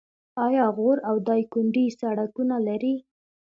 آیا غور او دایکنډي سړکونه لري؟